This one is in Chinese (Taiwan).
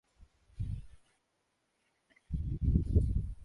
中國人口十四億人